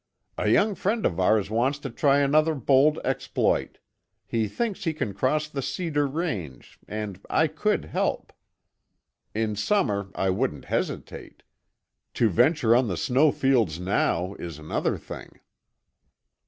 "A young friend of ours wants to try a rather bold exploit; he thinks he can cross the Cedar Range and I could help. In summer, I wouldn't hesitate. To venture on the snow fields now is another thing."